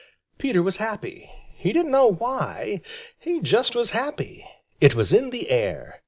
Peter was happy. He didn't know why. He just was happy. It was in the air.